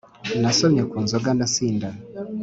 nasomye kunzoga ndasinda